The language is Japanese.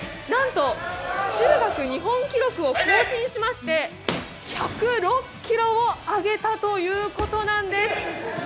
なんと中学日本記録を更新しまして、１０６ｋｇを挙げたということなんです！